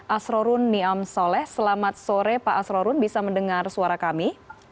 asrorun niam soleh selamat sore pak asrorun bisa mendengar suara kami